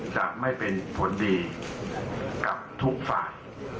จะไม่เป็นผลดีกับทุกฝ่าย